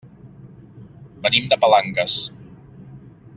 Venim de Palanques.